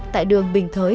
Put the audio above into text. tại đường bình thới